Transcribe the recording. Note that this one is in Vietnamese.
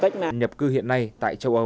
nhập cư hiện nay tại châu âu